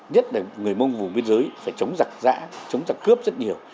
nhất là người mông vùng biên giới phải chống giặc giã chống giặc cướp rất nhiều